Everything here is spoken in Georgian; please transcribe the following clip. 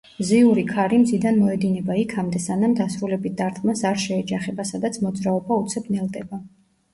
მზიური ქარი მზიდან მოედინება იქამდე, სანამ დასრულებით დარტყმას არ შეეჯახება, სადაც მოძრაობა უცებ ნელდება.